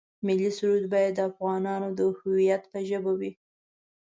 ملي سرود باید د افغانانو د هویت په ژبه وي.